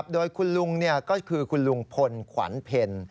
โดยคุณลุงก็คือคุณลุงพลขวัญเพล